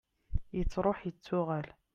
yettruḥ yettuɣal